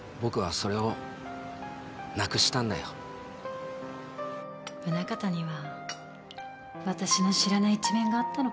宗形には私の知らない一面があったのかもしれません。